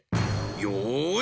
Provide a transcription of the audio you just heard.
よし！